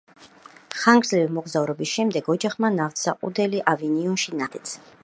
ხანგრძლივი მოგზაურობის შემდეგ ოჯახმა ნავთსაყუდელი ავინიონში ნახა, სადაც დასახლდნენ კიდეც.